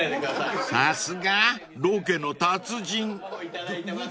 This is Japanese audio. ［さすがロケの達人］